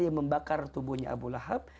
yang membakar tubuhnya abu lahab